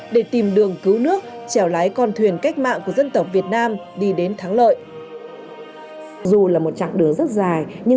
để tìm đường cứu nước chèo lái con thuyền cách mạng của dân tộc việt nam đi đến thái lan